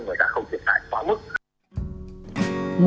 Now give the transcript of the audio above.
người ta không hiện tại quá mức